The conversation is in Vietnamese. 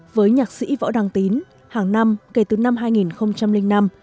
với nhạc sĩ võ đăng tín hàng năm kể từ năm hai nghìn năm